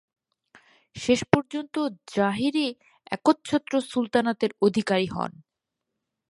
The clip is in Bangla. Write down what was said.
শেষ পর্যন্ত যাহির-ই একচ্ছত্র সুলতানাতের অধিকারী হন।